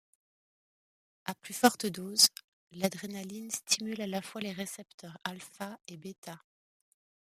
À plus forte dose, l’adrénaline stimule à la fois les récepteurs alpha et bêta.